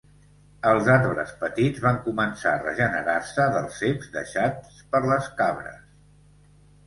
Els arbres petits van començar a regenerar-se dels ceps deixats per les cabres.